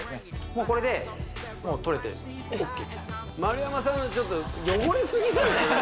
もうこれで取れてＯＫと丸山さんのちょっと汚れすぎじゃないの？